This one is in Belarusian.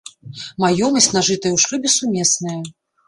Маёмасць, нажытая ў шлюбе, сумесная.